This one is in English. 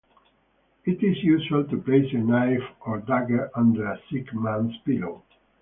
It is usual to place a knife or dagger under a sick man's pillow.